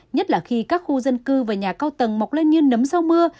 nhất là khi các khu dân cư và nhà cao tầng mọc lên như nấm sau mưa